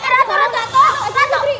ratu ratu ratu